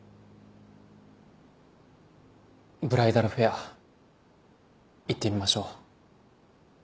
ブライダルフェア行ってみましょう。